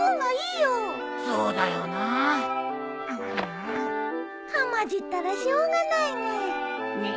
そうだよな。はまじったらしょうがないね。ね。